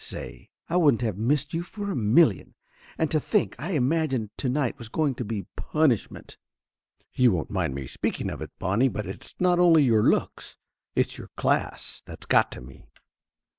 Say, I wouldn't have missed you for a million! And to think I imagined to night was going to be punishment! You won't mind my speaking of it, Bonnie, but it's not only your looks, it's your class, that's got to me.